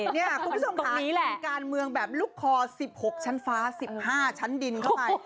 นี่คุณผู้ชมค่ะเป็นการเมืองแบบลูกคอ๑๖ชั้นฟ้า๑๕ชั้นดินเข้าไป